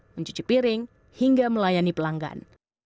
mencuci piring hingga melayani pelanggan